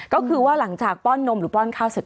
ก็คือว่าหลังจากป้อนนมหรือป้อนข้าวเสร็จ